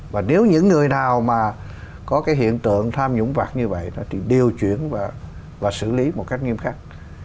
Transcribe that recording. và nếu những người nào mà có cái hiện tượng tham nhũng vặt như vậy thì điều chuyển và xử lý một cách nghiêm khắc